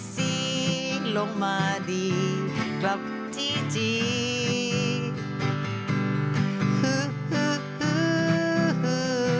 ฮือฮือฮือฮือ